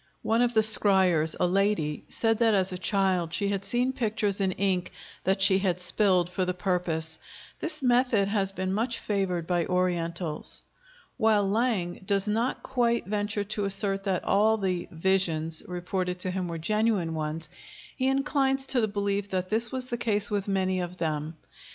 One of the scryers, a lady, said that as a child she had seen pictures in ink that she had spilled for the purpose. This method has been much favored by Orientals. While Lang does not quite venture to assert that all the "visions" reported to him were genuine ones, he inclines to the belief that this was the case with many of them.